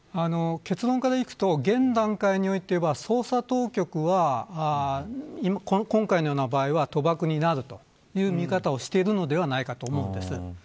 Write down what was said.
結論からいくと、現段階では捜査当局は今回のような場合は賭博になるという見方をしているのではないかと思います。